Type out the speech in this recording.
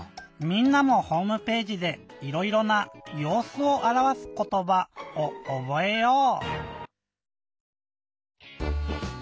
みんなもホームページでいろいろな「ようすをあらわすことば」をおぼえよう！